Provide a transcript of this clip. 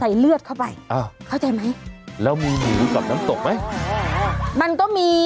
เลือดเข้าไปอ้าวเข้าใจไหมแล้วมีหมูกับน้ำตกไหมอ๋อมันก็มี